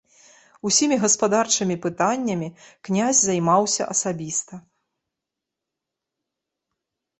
Усімі гаспадарчымі пытаннямі князь займаўся асабіста.